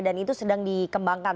dan itu sedang dikembangkan